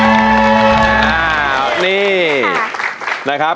สวัสดีครับ